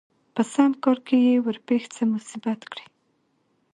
په سم کار کې يې ورپېښ څه مصيبت کړي